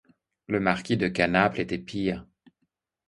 Le marquis de Canaples était pire.